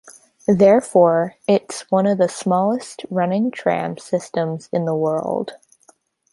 Therefore, it's one of the smallest running tram systems in the world.